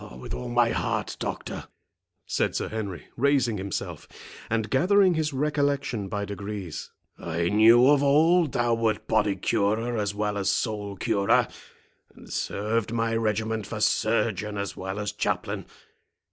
—with all my heart, doctor," said Sir Henry, raising himself, and gathering his recollection by degrees. "I knew of old thou wert body curer as well as soul curer, and served my regiment for surgeon as well as chaplain.